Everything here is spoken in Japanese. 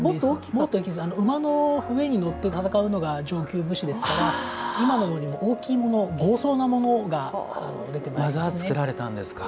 馬の上に乗って戦うのが上級武士ですから、今よりも大きいもの、豪壮なものが出ていました。